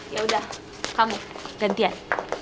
yaudah kamu gantian